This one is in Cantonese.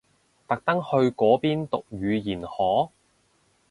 特登去嗰邊讀語言學？